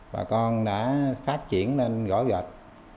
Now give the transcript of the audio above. bà con đã phát triển lên gõi gạch